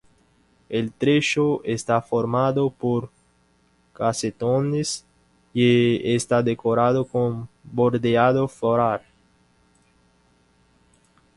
El techo está formado por casetones y está decorado con bordeado floral.